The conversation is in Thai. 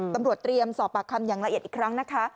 เตรียมสอบปากคำอย่างละเอียดอีกครั้งนะคะ